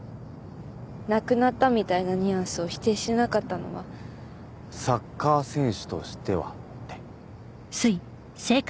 亡くなったみたいなニュアンスを否定しなかったのはサッカー選手としてはって？